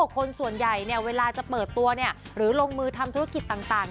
คนส่วนใหญ่เวลาจะเปิดตัวหรือลงมือทำธุรกิจต่าง